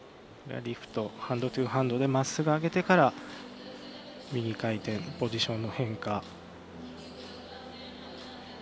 リフト、ハンドトゥハンドでまっすぐ上げてから右回転、ポジションの変化。